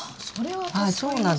そうなんです。